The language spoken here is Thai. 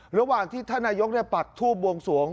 ระหว่างที่ท่านนายกปักทูบบวงสวง